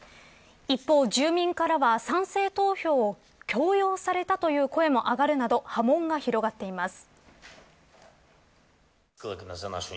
一方、住民からは賛成投票を強要されたという声も上がるなど波紋が広がっています。